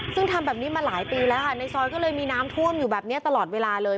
ซึ่งทำแบบนี้มาหลายปีแล้วค่ะในซอยก็เลยมีน้ำท่วมอยู่แบบนี้ตลอดเวลาเลย